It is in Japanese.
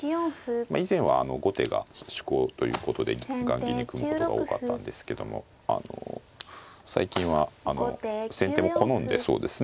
以前は後手が趣向ということで雁木に組むことが多かったんですけども最近は先手も好んでそうですね